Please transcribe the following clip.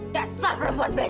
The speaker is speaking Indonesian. dasar perempuan beresek